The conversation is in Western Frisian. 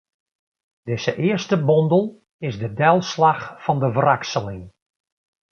Dizze earste bondel is de delslach fan de wrakseling.